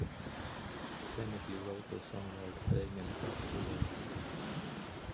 Kennedy wrote the song while staying in Portstewart.